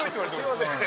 すいません